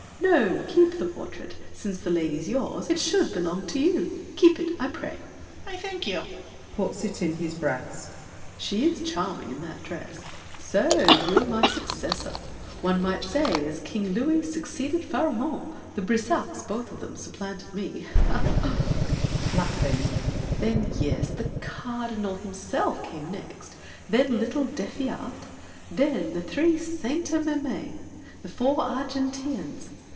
No, keep the portrait; since the lady's yours, It should belong to you. Keep it, I pray. DIDIER. I thank you! [Puts it in his breast. SAVERNY. She is charming in that dress. So you are my successor! One might say, As King Louis succeeded Pharamond. The Brissacs, both of them, supplanted me. Then, yes, the Cardinal himself came next, Then little D'Effiat, then the three Sainte Mesmes, The four Argenteans!